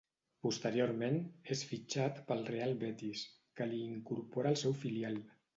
Posteriorment, és fitxat pel Real Betis, que l'hi incorpora al seu filial.